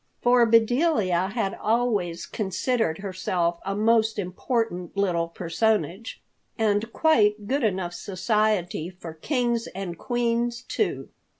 For Bedelia had always considered herself a most important little personage, and quite good enough society for kings and queens, too.